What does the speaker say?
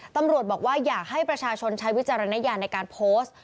ตำรวจบอกว่าอยากให้ประชาชนใช้วิจารณญาณในการโพสต์